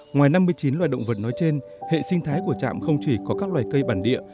ngoài năm mươi chín loài động vật nói trên hệ sinh thái của trạm không chỉ có các loài cây bản địa